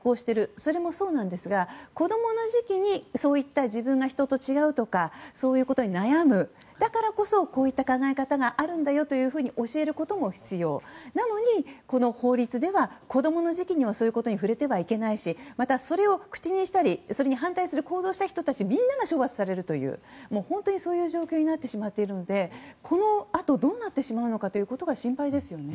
それもそうなんですが子供の時期に自分が人と違うとかそういうことに悩むだからこそこういった考え方があるんだよと教えることも必要なのに、この法律では子供の時期にはそういうことに触れてはいけないしまた、それを口にしたりそれに反対する行動をした人たちみんなが処罰されるという状況になってしまっているのでこのあと、どうなってしまうのか心配ですよね。